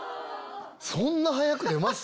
そんな早く出ます